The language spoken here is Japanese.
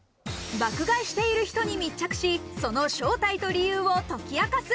爆買いしている人に密着し、その正体と理由を解き明かす。